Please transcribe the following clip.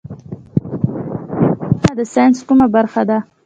بیولوژي یا ژوند پوهنه د ساینس کومه برخه ده